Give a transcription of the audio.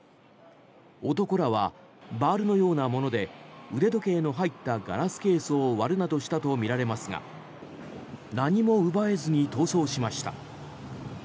男らはバールのようなもので腕時計の入ったガラスケースを割るなどしたとみられますが何も奪えずに逃走しました。